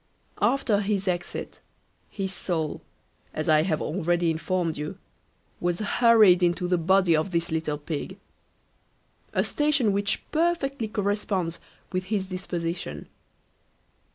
After his exit, his soul, as I have already informed you, was hurried into the body of this little pig; a station which perfectly corresponds with his disposition.